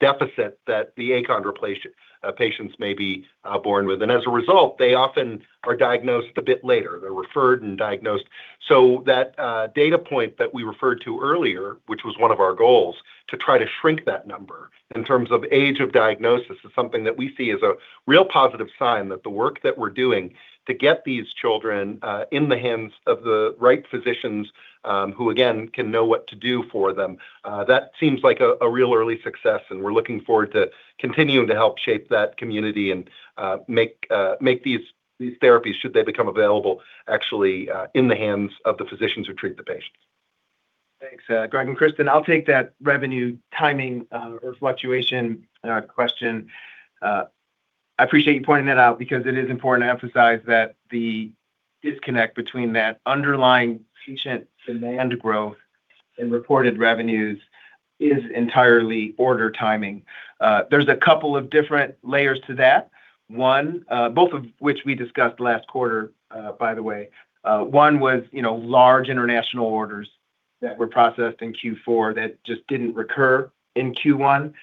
deficit that the achondroplasia patients may be born with. As a result, they often are diagnosed a bit later. They're referred and diagnosed. That data point that we referred to earlier, which was one of our goals to try to shrink that number in terms of age of diagnosis, is something that we see as a real positive sign that the work that we're doing to get these children in the hands of the right physicians, who again, can know what to do for them, that seems like a real early success, and we're looking forward to continuing to help shape that community and make these therapies should they become available actually in the hands of the physicians who treat the patients. Thanks, Greg Friberg and Cristin Hubbard. I'll take that revenue timing or fluctuation question. I appreciate you pointing that out because it is important to emphasize that the disconnect between that underlying patient demand growth and reported revenues is entirely order timing. There's a couple of different layers to that. one, both of which we discussed last quarter, by the way. one was, you know, large international orders that were processed in Q4 that just didn't recur in Q1.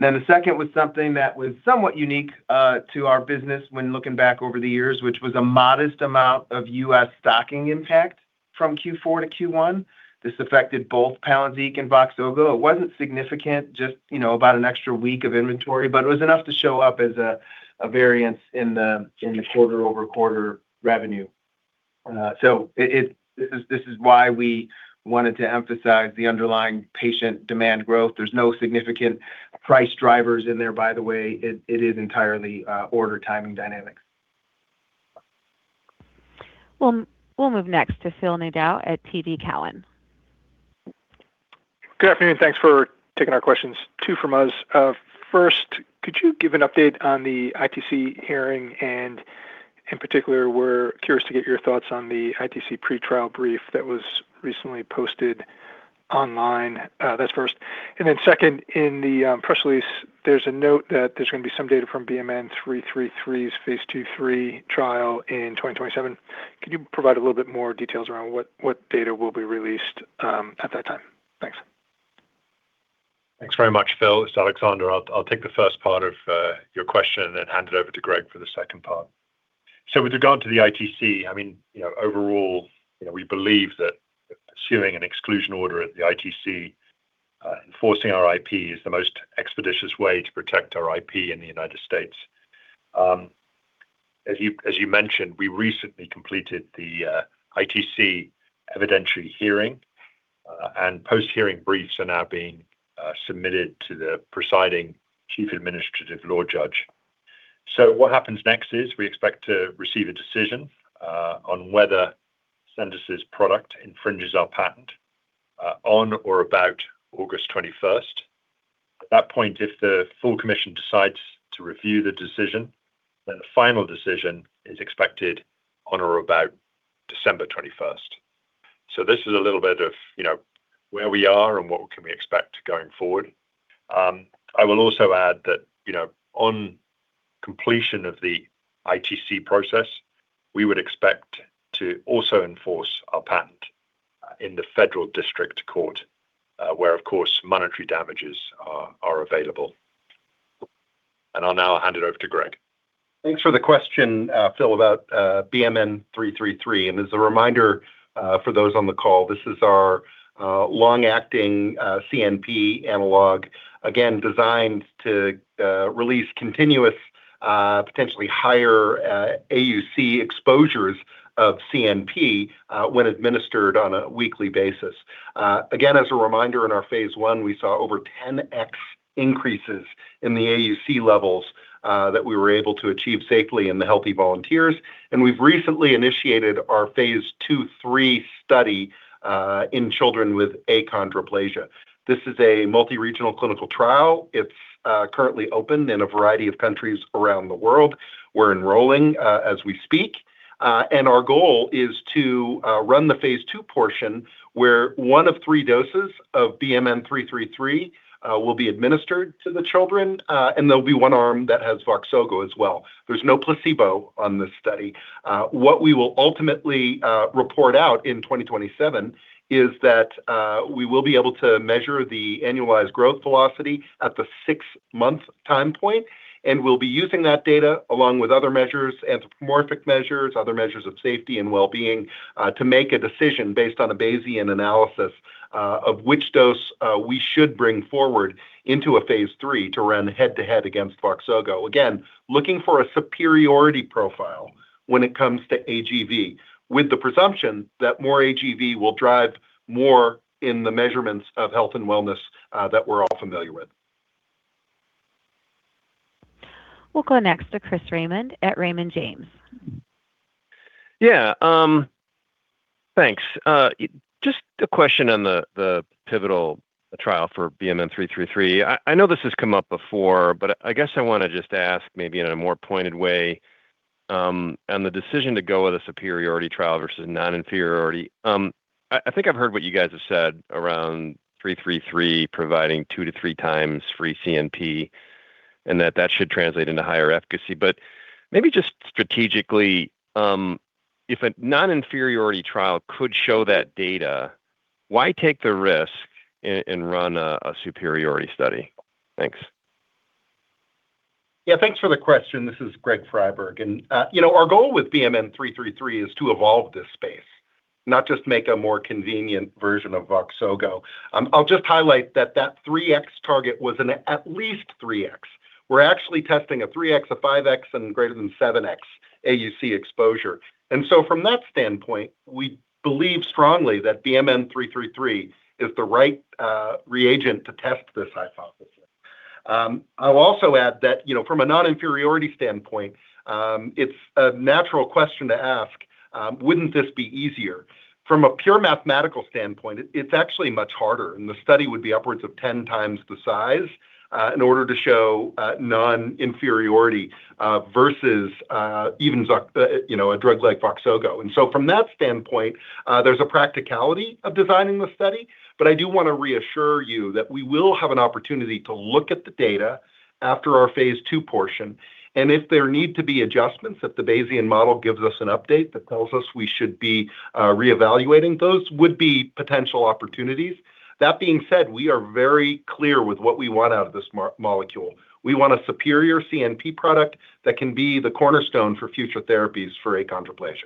The two was something that was somewhat unique to our business when looking back over the years, which was a modest amount of U.S. stocking impact from Q4 to Q1. This affected both Palynziq and Voxzogo. It wasn't significant, just, you know, about an extra week of inventory, but it was enough to show up as a variance in the quarter-over-quarter revenue. This is why we wanted to emphasize the underlying patient demand growth. There's no significant price drivers in there, by the way. It is entirely order timing dynamics. We'll move next to Phil Nadeau at TD Cowen. Good afternoon. Thanks for taking our questions.two from us. First, could you give an update on the ITC hearing? In particular, we're curious to get your thoughts on the ITC pretrial brief that was recently posted online. That's first. Second, in the press release, there's a note that there's gonna be some data from BMN 333's phase II, III trial in 2027. Could you provide a little bit more details around what data will be released at that time? Thanks. Thanks very much, Phil. It's Alexander. I'll take the first part of your question, then hand it over to Greg for the second part. With regard to the ITC, I mean, you know, overall, you know, we believe that pursuing an exclusion order at the ITC, enforcing our IP is the most expeditious way to protect our IP in the U.S. As you mentioned, we recently completed the ITC evidentiary hearing, and post-hearing briefs are now being submitted to the presiding chief administrative law judge. What happens next is we expect to receive a decision on whether Ascendis's product infringes our patent on or about August 21st. At that point, if the full commission decides to review the decision, the final decision is expected on or about December 21st. This is a little bit of, you know, where we are and what can we expect going forward. I will also add that, you know, on completion of the ITC process, we would expect to also enforce our patent in the federal district court, where, of course, monetary damages are available. I'll now hand it over to Greg. Thanks for the question, Phil Nadeau, about BMN 333. As a reminder, for those on the call, this is our long-acting CNP analog, again, designed to release continuous, potentially higher AUC exposures of CNP, when administered on a weekly basis. Again, as a reminder, in our phase I, we saw over 10x increases in the AUC levels that we were able to achieve safely in the healthy volunteers. We've recently initiated our phase II/III study in children with achondroplasia. This is a multi-regional clinical trial. It's currently open in a variety of countries around the world. We're enrolling as we speak. Our goal is to run the phase II portion where one of three doses of BMN 333 will be administered to the children. There'll be one arm that has Voxzogo as well. There's no placebo on this study. What we will ultimately report out in 2027 is that we will be able to measure the annualized growth velocity at the six month time point, and we'll be using that data along with other measures, anthropomorphic measures, other measures of safety and well-being, to make a decision based on a Bayesian analysis of which dose we should bring forward into a phase III to run head-to-head against Voxzogo. Again, looking for a superiority profile when it comes to AGV, with the presumption that more AGV will drive more in the measurements of health and wellness that we're all familiar with. We'll go next to Chris Raymond at Raymond James. Thanks. Just a question on the pivotal trial for BMN 333. I know this has come up before, but I guess I wanna just ask maybe in a more pointed way on the decision to go with a superiority trial versus non-inferiority. I think I've heard what you guys have said around BMN 333 providing 2 to 3x free CNP and that should translate into higher efficacy. Maybe just strategically, if a non-inferiority trial could show that data, why take the risk and run a superiority study? Thanks. Thanks for the question. This is Greg Friberg. You know, our goal with BMN 333 is to evolve this space, not just make a more convenient version of Voxzogo. I'll just highlight that that 3x target was an at least 3x. We're actually testing a 3x, a 5x, and greater than 7x AUC exposure. From that standpoint, we believe strongly that BMN 333 is the right reagent to test this hypothesis. I'll also add that, you know, from a non-inferiority standpoint, it's a natural question to ask, wouldn't this be easier? From a pure mathematical standpoint, it's actually much harder, and the study would be upwards of 10x the size in order to show non-inferiority versus, you know, a drug like Voxzogo. From that standpoint, there's a practicality of designing the study, but I do want to reassure you that we will have an opportunity to look at the data after our phase II portion. If there need to be adjustments, if the Bayesian model gives us an update that tells us we should be reevaluating, those would be potential opportunities. That being said, we are very clear with what we want out of this molecule. We want a superior CNP product that can be the cornerstone for future therapies for achondroplasia.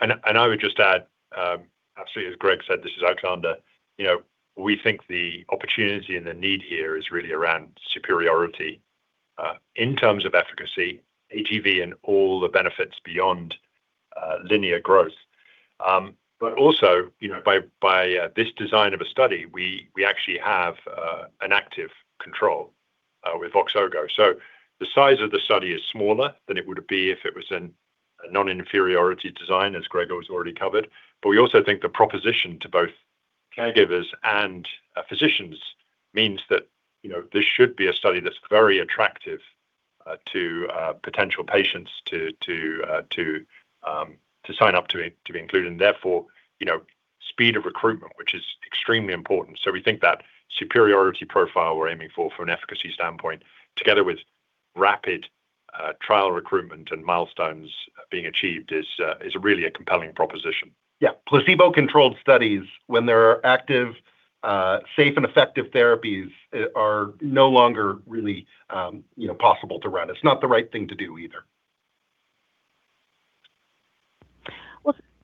I would just add, absolutely, as Greg Friberg said, this is Alexander Hardy. You know, we think the opportunity and the need here is really around superiority, in terms of efficacy, AGV, and all the benefits beyond linear growth. But also, you know, by this design of a study, we actually have an active control with Voxzogo. The size of the study is smaller than it would be if it was a non-inferiority design, as Greg Friberg has already covered. We also think the proposition to both caregivers and physicians means that, you know, this should be a study that's very attractive to potential patients to sign up to be included, and therefore, you know, speed of recruitment, which is extremely important. We think that superiority profile we're aiming for from an efficacy standpoint, together with rapid trial recruitment and milestones being achieved is really a compelling proposition. Yeah, placebo-controlled studies, when there are active, safe and effective therapies, are no longer really, you know, possible to run. It's not the right thing to do either.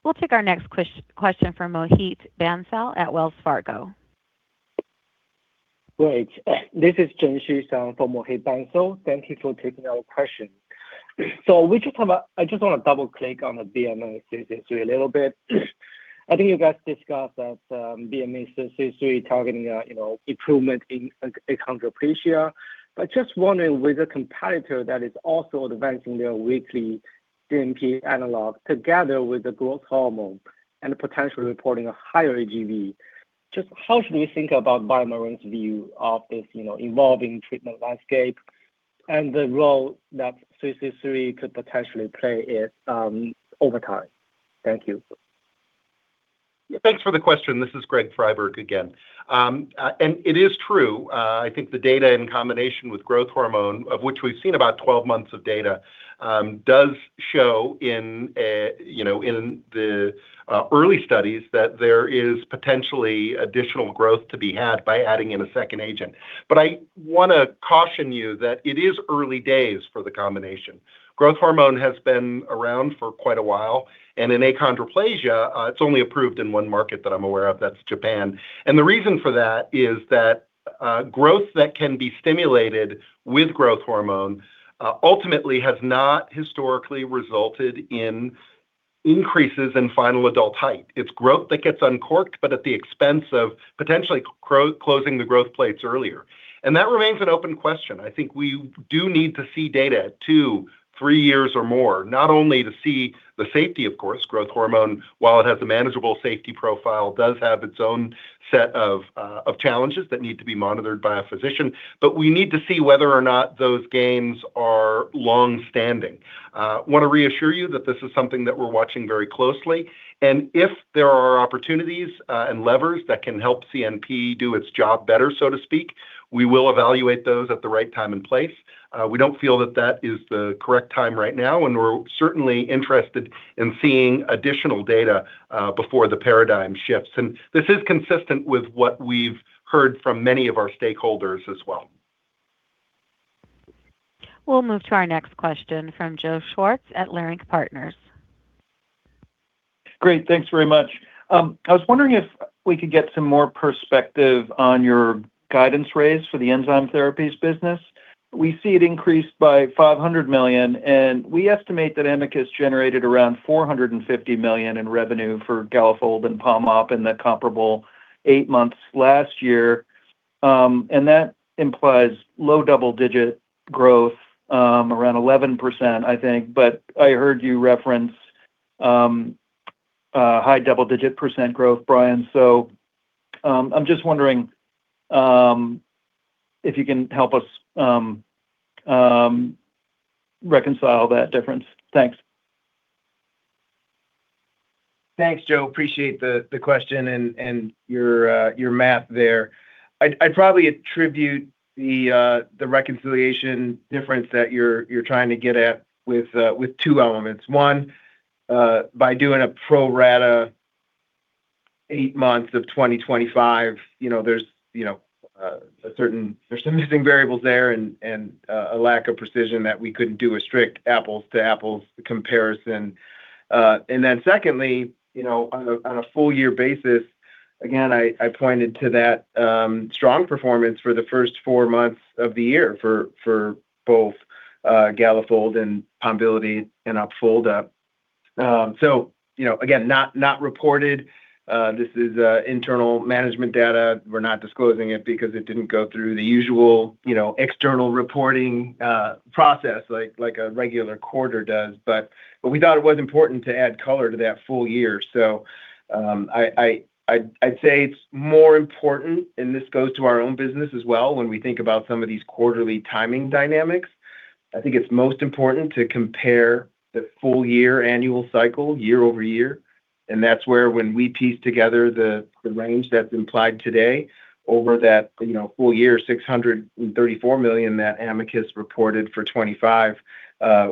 We'll take our next question from Mohit Bansal at Wells Fargo. Great. This is Chen Xu, sound for Mohit Bansal. Thank you for taking our question. I just wanna double-click on the BMN 333 a little bit. I think you guys discussed that BMN 333 targeting, you know, improvement in achondroplasia. Just wondering with a competitor that is also advancing their weekly CNP analog together with the growth hormone and potentially reporting a higher AGV. Just how should we think about BioMarin's view of this, you know, evolving treatment landscape and the role that 333 could potentially play in over time? Thank you. Thanks for the question. This is Greg Friberg again. It is true, I think the data in combination with growth hormone, of which we've seen about 12 months of data, does show in, you know, in the early studies that there is potentially additional growth to be had by adding in a second agent. I want to caution you that it is early days for the combination. Growth hormone has been around for quite a while, in achondroplasia, it's only approved in one market that I'm aware of, that's Japan. The reason for that is that, growth that can be stimulated with growth hormone, ultimately has not historically resulted in increases in final adult height. It's growth that gets uncorked, but at the expense of potentially closing the growth plates earlier. That remains an open question. I think we do need to see data two, three years or more, not only to see the safety, of course. Growth hormone, while it has a manageable safety profile, does have its own set of challenges that need to be monitored by a physician. We need to see whether or not those gains are long-standing. I want to reassure you that this is something that we're watching very closely. If there are opportunities and levers that can help CNP do its job better, so to speak, we will evaluate those at the right time and place. We don't feel that that is the correct time right now, and we're certainly interested in seeing additional data before the paradigm shifts. This is consistent with what we've heard from many of our stakeholders as well. We'll move to our next question from Joseph Schwartz at Leerink Partners. Great. Thanks very much. I was wondering if we could get some more perspective on your guidance raise for the enzyme therapies business. We see it increased by $500 million, and we estimate that Amicus has generated around $450 million in revenue for Galafold and Pombiliti in the comparable 8 months last year. That implies low double-digit growth, around 11%, I think. I heard you reference a high double-digit percent growth, Brian. I'm just wondering if you can help us reconcile that difference. Thanks Thanks, Joe. Appreciate the question and your math there. I'd probably attribute the reconciliation difference that you're trying to get at with two elements. One, by doing a pro rata eight months of 2025, you know, there's, you know, some missing variables there and a lack of precision that we couldn't do a strict apples to apples comparison. Secondly, you know, on a full year basis, again, I pointed to that strong performance for the first four months of the year for both Galafold and Pombiliti and Opfolda. You know, again, not reported. This is internal management data. We're not disclosing it because it didn't go through the usual, you know, external reporting process like a regular quarter does. We thought it was important to add color to that full year. I'd say it's more important, and this goes to our own business as well when we think about some of these quarterly timing dynamics. I think it's most important to compare the full year annual cycle year-over-year, and that's where when we piece together the range that's implied today over that, you know, full year $634 million that Amicus reported for 2025,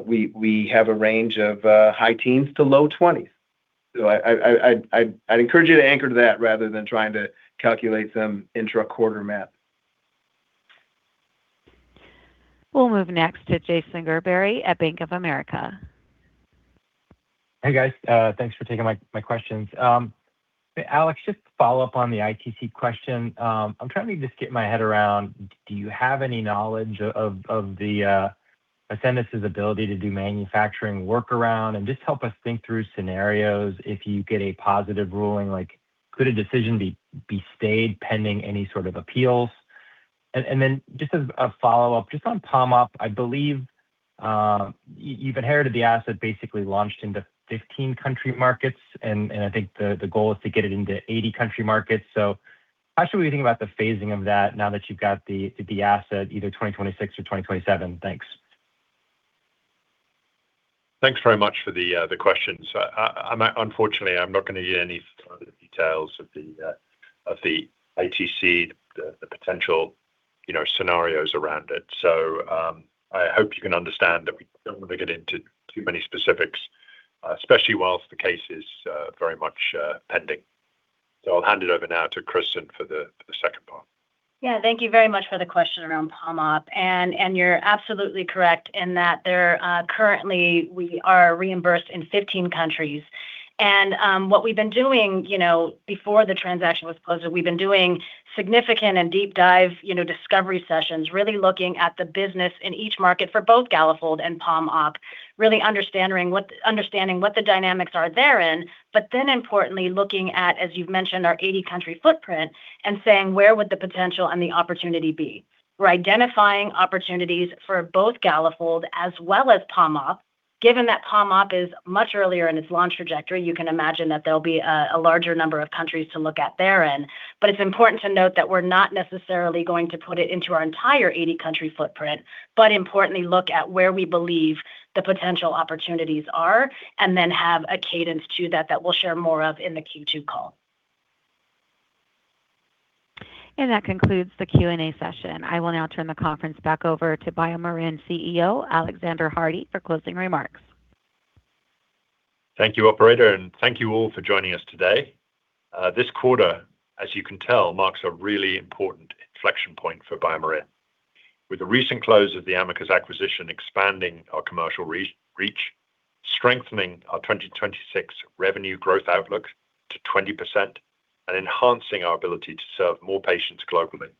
we have a range of high teens to low 20s. I'd encourage you to anchor to that rather than trying to calculate some intra-quarter math. We'll move next to Jason Gerberry at Bank of America. Hey, guys. Thanks for taking my questions. Alex, just to follow up on the ITC question, I'm trying to just get my head around, do you have any knowledge of the Ascendis ability to do manufacturing workaround? Just help us think through scenarios if you get a positive ruling, like could a decision be stayed pending any sort of appeals? Then just as a follow-up, just on Palm Op, I believe, you've inherited the asset basically launched into 15 country markets and I think the goal is to get it into 80 country markets. How should we think about the phasing of that now that you've got the asset either 2026 or 2027? Thanks. Thanks very much for the questions. I'm, unfortunately, I'm not going to give any further details of the ITC, the potential, you know, scenarios around it. I hope you can understand that we don't want to get into too many specifics, especially whilst the case is very much pending. I'll hand it over now to Cristin for the second part. Yeah. Thank you very much for the question around Pombiliti and Opfolda. You're absolutely correct in that there are currently we are reimbursed in 15 countries. What we've been doing, you know, before the transaction was closed, we've been doing significant and deep dive, you know, discovery sessions, really looking at the business in each market for both Galafold and Pombiliti and Opfolda, really understanding what the dynamics are therein. Importantly looking at, as you've mentioned, our 80-country footprint and saying, "Where would the potential and the opportunity be?" We're identifying opportunities for both Galafold as well as Pombiliti and Opfolda. Given that Pombiliti and Opfolda is much earlier in its launch trajectory, you can imagine that there'll be a larger number of countries to look at therein. It's important to note that we're not necessarily going to put it into our entire 80-country footprint, but importantly look at where we believe the potential opportunities are and then have a cadence to that that we'll share more of in the Q2 call. That concludes the Q&A session. I will now turn the conference back over to BioMarin CEO, Alexander Hardy, for closing remarks. Thank you, operator, and thank you all for joining us today. This quarter, as you can tell, marks a really important inflection point for BioMarin. With the recent close of the Amicus acquisition expanding our commercial re-reach, strengthening our 2026 revenue growth outlook to 20% and enhancing our ability to serve more patients globally.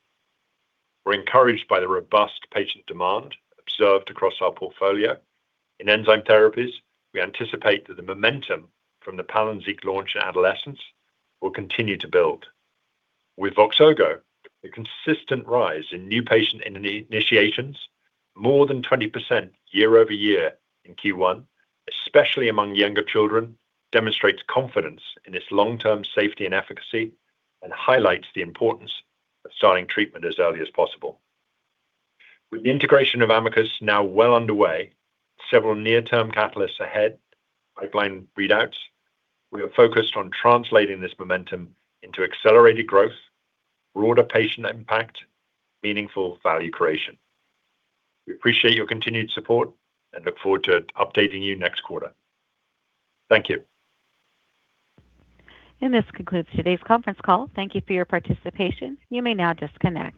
We're encouraged by the robust patient demand observed across our portfolio. In enzyme therapies, we anticipate that the momentum from the Palynziq launch in adolescence will continue to build. With Voxzogo, a consistent rise in new patient initiations, more than 20% year-over-year in Q1, especially among younger children, demonstrates confidence in its long-term safety and efficacy and highlights the importance of starting treatment as early as possible. With the integration of Amicus now well underway, several near-term catalysts ahead, pipeline readouts, we are focused on translating this momentum into accelerated growth, broader patient impact, meaningful value creation. We appreciate your continued support and look forward to updating you next quarter. Thank you. This concludes today's Conference Call. Thank you for your participation. You may now disconnect.